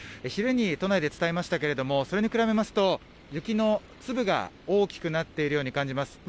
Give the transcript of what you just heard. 昼に都内で伝えましたけれどもそれに比べますと雪の粒が大きくなっているように感じます。